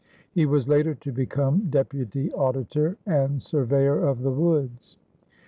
He was later to become deputy auditor and surveyor of the woods.